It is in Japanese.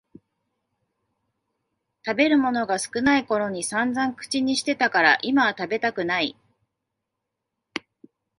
食べるものが少ないころにさんざん口にしてたから今は食べたくない